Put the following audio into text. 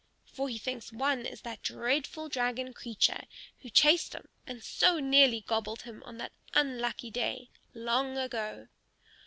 For he thinks one is that dreadful dragon creature who chased him and so nearly gobbled him on that unlucky day, long ago.